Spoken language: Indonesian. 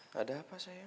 gak apa apa ya